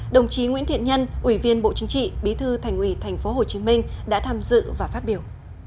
đồng chí nguyễn thiện nhân ủy viên bộ chính trị bí thư thành ủy tp hcm đã tham dự và phát biểu